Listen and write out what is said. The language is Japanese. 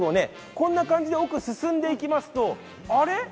こんな感じで奥に進んでいきますと、あれ？